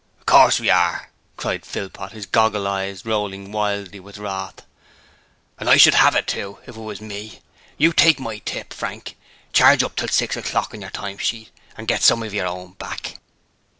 'Of course we are!' cried Philpot, his goggle eyes rolling wildly with wrath. 'And I should 'ave it too, if it was me. You take my tip, Frank: CHARGE UP TO SIX O'CLOCK on yer time sheet and get some of your own back.'